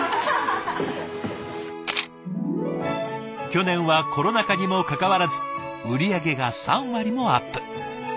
去年はコロナ禍にもかかわらず売り上げが３割もアップ。